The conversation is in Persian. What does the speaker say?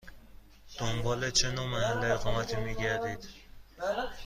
دنبال چه نوع محل اقامتی می گردید؟